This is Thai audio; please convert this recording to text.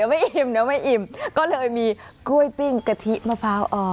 ไม่อิ่มเดี๋ยวไม่อิ่มก็เลยมีกล้วยปิ้งกะทิมะพร้าวอ่อน